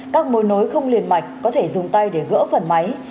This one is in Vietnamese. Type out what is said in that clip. các mối nối không liền mạch có thể dùng tay để gỡ phần máy